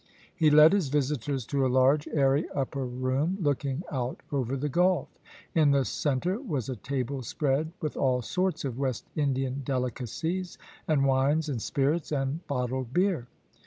He led his visitors to a large airy upper room looking out over the gulf. In the centre was a table spread with all sorts of West Indian delicacies, and wines and spirits, and bottled beer.